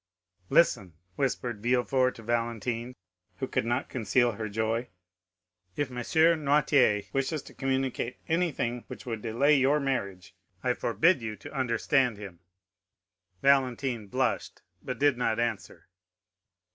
"Listen," whispered Villefort to Valentine, who could not conceal her joy; "if M. Noirtier wishes to communicate anything which would delay your marriage, I forbid you to understand him." Valentine blushed, but did not answer.